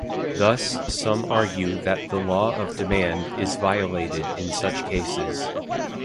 Thus, some argue that the law of demand is violated in such cases.